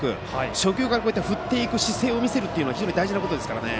初球から振る姿勢を見せるのは非常に大事なことですからね。